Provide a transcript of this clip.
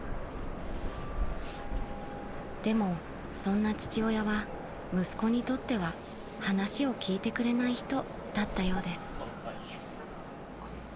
［でもそんな父親は息子にとっては話を聞いてくれない人だったようです］